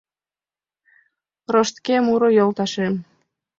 Роштке муро, йолташем.